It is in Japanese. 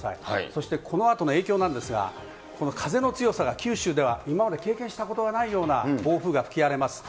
そしてこのあとの影響なんですが、この風の強さが九州では今まで経験したことがないような暴風が吹き荒れます。